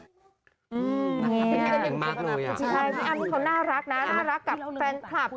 ใช่พี่อ้ำนี่เขาน่ารักนะน่ารักกับแฟนคลับ